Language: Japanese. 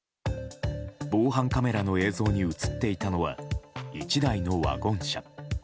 防犯カメラの映像に映っていたのは１台のワゴン車。